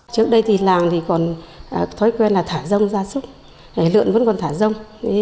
trước đây thì làng còn thói quen là thả rông ra súc lượng vẫn còn thả rông